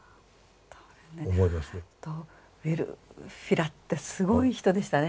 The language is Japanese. ウルフィラってすごい人でしたね。